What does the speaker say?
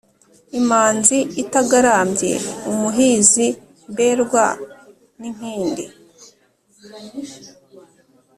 Imanzi itagarambye, umuhizi mberwa n’inkindi.